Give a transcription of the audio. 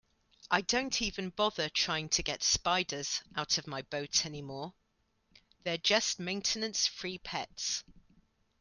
I don't even bother trying to get spiders out of my boat anymore, they're just maintenance-free pets.